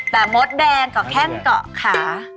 แต่มดแดงเกาะแข้งเกาะขา